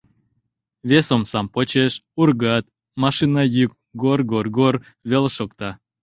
Вес омсам почеш: ургат, машина йӱк гор-гор-гор веле шокта.